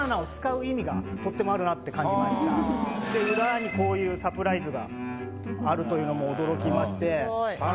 で裏にこういうサプライズがあるというのも驚きまして。